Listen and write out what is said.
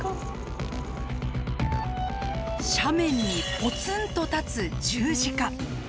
斜面にぽつんと立つ十字架。